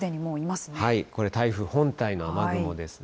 これ、台風本体の雨雲ですね。